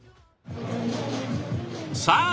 さあ